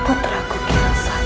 putraku kian santan